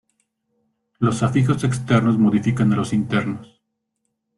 Los afijos externos modifican a los internos.